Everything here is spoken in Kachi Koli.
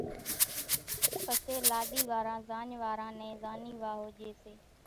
پسيَ لاڏِي واران زاڃ واران نين زانِي واۿو ڄيَ سي۔